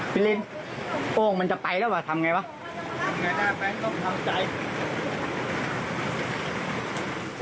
ปิรินโอ่งมันจะไปแล้วหรือเปล่าทำอย่างไรวะ